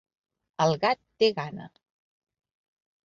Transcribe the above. El gat té gana.